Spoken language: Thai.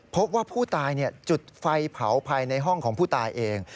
พบว่าผู้ตายจุดไฟเผาภายในห้องของผู้ตายเอง